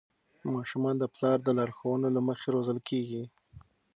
ماشومان د پلار د لارښوونو له مخې روزل کېږي.